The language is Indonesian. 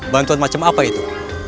bantuan macam apa itu